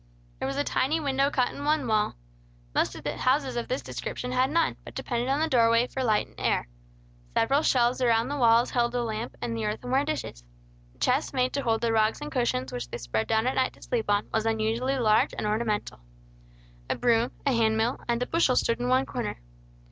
There was a tiny window cut in one wall; most of the houses of this description had none, but depended on the doorway for light and air. Several shelves around the walls held the lamp and the earthenware dishes. The chest made to hold the rugs and cushions which they spread down at night to sleep on, was unusually large and ornamental. A broom, a handmill, and a bushel stood in one corner.